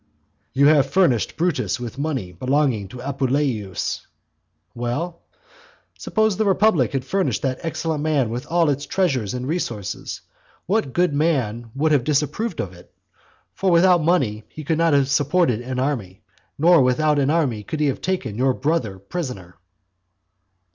"You have furnished Brutus with money belonging to Apuleius." Well? Suppose the republic had furnished that excellent man with all its treasures and resources, what good man would have disapproved of it? For without money he could not have supported an army, nor without an army could he have taken your brother prisoner.